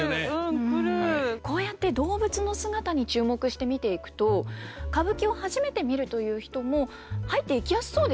こうやって動物の姿に注目して見ていくと歌舞伎を初めて見るという人も入っていきやすそうですよね。